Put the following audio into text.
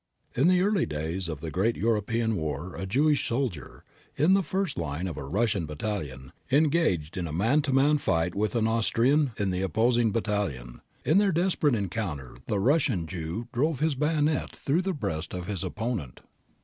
In the early days of the great European war a Jewish soldier, in the first line of a Russian battalion, engaged in a man to man fight with an Austrian in the opposing battalion. In their desperate encounter the Russian Jew drove his bayonet through the breast of his opponent.